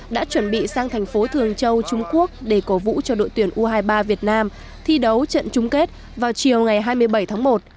đã chuẩn bị sang thành phố thường châu trung quốc để cổ vũ cho đội tuyển u hai mươi ba việt nam thi đấu trận chung kết vào chiều ngày hai mươi bảy tháng một